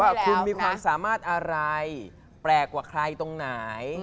ว่าคุณมีความสามารถอะไรแปลกกว่าใครตรงไหน